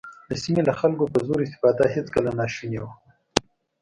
د سیمې له خلکو په زور استفاده هېڅکله ناشونې وه.